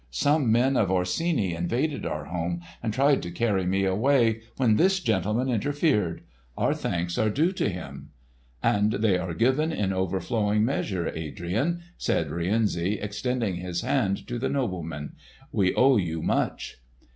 Some men of Orsini invaded our home and tried to carry me away, when this gentleman interfered. Our thanks are due to him." "And they are given in overflowing measure, Adrian!" said Rienzi, extending his hand to the nobleman. "We owe you much."